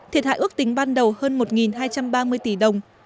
thiệt hại ước tính ban đầu hơn một hai trăm ba mươi tỷ đồng